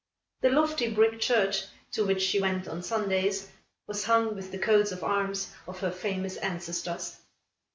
The lofty brick church, to which she went on Sundays, was hung with the coats of arms of her famous ancestors.